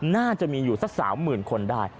น่าจะมีอยู่สัก๓๐๐๐คนได้